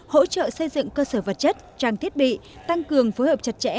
hỗ trợ xây dựng cơ sở vật chất trang thiết bị tăng cường phối hợp chặt chẽ